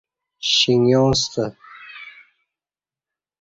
شینگاستہ